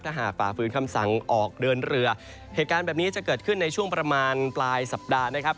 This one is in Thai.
ถ้าหากฝ่าฝืนคำสั่งออกเดินเรือเหตุการณ์แบบนี้จะเกิดขึ้นในช่วงประมาณปลายสัปดาห์นะครับ